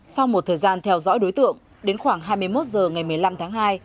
sau một thời gian theo dõi đối tượng đến khoảng hai mươi một h ngày một mươi năm tháng hai